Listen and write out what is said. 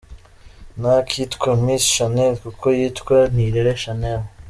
Ntakitwa Miss Shanel kuko yitwa Nirere Shanel.